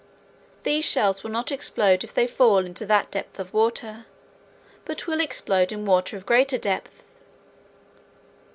These shells will not explode if they fall in that depth of water, but will explode in water of greater depth.